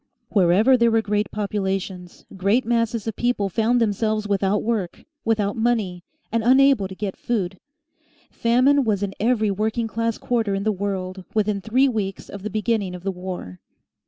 Wherever there were great populations, great masses of people found themselves without work, without money, and unable to get food. Famine was in every working class quarter in the world within three weeks of the beginning of the war.